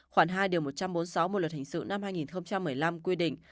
khoảng hai điều một trăm bốn mươi sáu bộ luật hình sự năm hai nghìn một mươi năm quy định